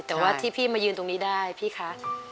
แต่ว่าที่พี่มายืนตรงนี้ได้พี่คะ